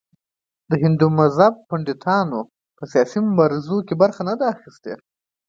هندو مذهب پنډتانو په سیاسي مبارزو کې برخه نه ده اخیستې.